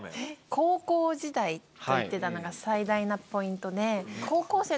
「高校時代」と言ってたのが最大なポイントで。